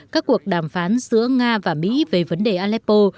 các cuộc đàm phán giữa nga và mỹ về vấn đề aleppo